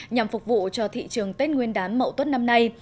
nhằm phục vụ cho thị trường tết nguyên đán mẫu tuốt năm nay